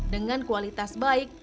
dengan kualitas baik